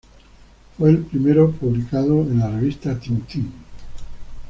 Fue el primero publicado en la "revista Tintin".